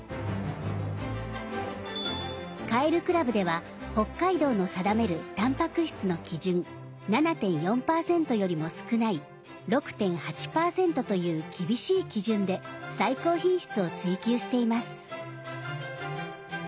カエル倶楽部では北海道の定めるタンパク質の基準「７．４％」よりも少ない「６．８％」という厳しい基準で最高品質を追求しています。